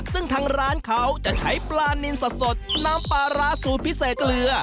ซึ่งทางร้านเขาจะใช้ปลานินสดน้ำปลาร้าสูตรพิเศษเกลือ